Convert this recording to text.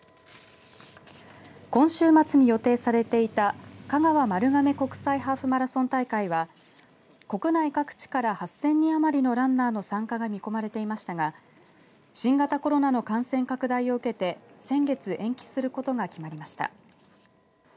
今週末に予定されていた香川丸亀国際ハーフマラソン大会は国内各地から８０００人余りのランナーの参加が見込まれていましたが新型コロナの感染拡大を受けて先月、延期することが決まりました。